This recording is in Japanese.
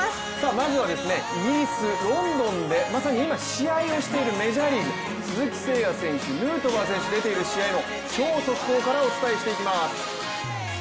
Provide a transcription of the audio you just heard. まずはイギリス・ロンドンでまさに今、試合をしているメジャーリーグ鈴木誠也選手、ヌートバー選手出ている試合の超速報からお伝えしていきます。